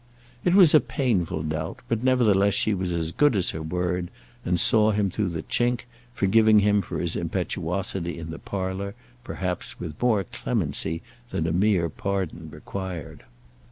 It was a painful doubt; but nevertheless she was as good as her word, and saw him through the chink, forgiving him for his impetuosity in the parlour with, perhaps, more clemency than a mere pardon required.